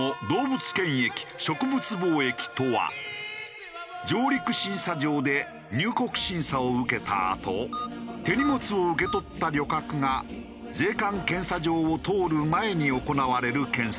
そもそも上陸審査場で入国審査を受けたあと手荷物を受け取った旅客が税関検査場を通る前に行われる検査の事。